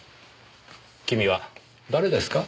君は誰ですか？